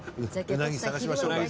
鰻探しましょうか。